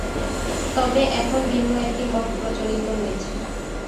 তবে এখন ভিন্ন একটি মত প্রচলিত রয়েছে।